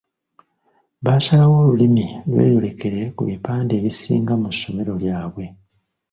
Baasalawo Olulimi lweyolekere ku bipande ebisinga mu ssomero lyabwe.